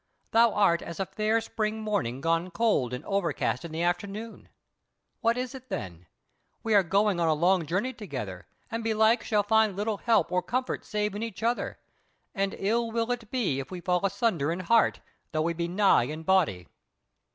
Thou art as a fair spring morning gone cold and overcast in the afternoon. What is it then? we are going a long journey together, and belike shall find little help or comfort save in each other; and ill will it be if we fall asunder in heart, though we be nigh in body."